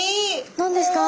何ですか？